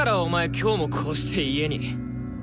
今日もこうして家に。